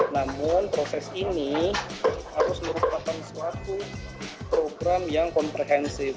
namun proses ini harus merupakan suatu program yang komprehensif